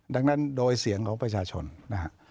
ดังนั้นโดยเสียงของประชาชนนะฮะ